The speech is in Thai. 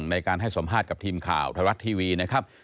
ในการให้สัมภาษณ์กับทีมข่าวไทยรัฐทีวีนะครับ